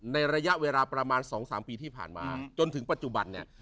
ระยะเวลาประมาณ๒๓ปีที่ผ่านมาจนถึงปัจจุบันเนี่ย